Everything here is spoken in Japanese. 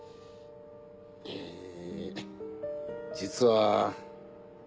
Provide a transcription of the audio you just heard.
え実は。